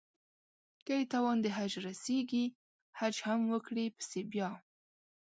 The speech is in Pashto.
که يې توان د حج رسېږي حج هم وکړي پسې بيا